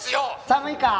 寒いか？